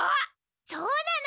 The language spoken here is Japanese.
そうなの。